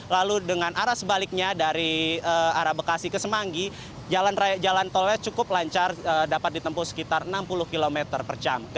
lalu dengan arah sebaliknya dari arah bekasi ke semanggi jalan tolnya cukup lancar dapat ditempuh sekitar enam puluh km per jam